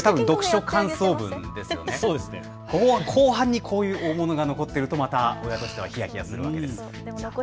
後半にこういう大物が残っていると親としてはヒヤヒヤするわけです。